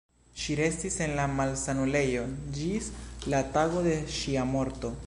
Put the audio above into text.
Ŝi restis en la malsanulejo ĝis la tago de ŝia morto.